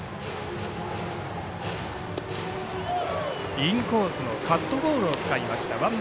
インコースのカットボールを使いました。